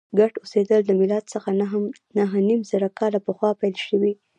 ګډ اوسېدل له میلاد څخه نهه نیم زره کاله پخوا پیل شوي.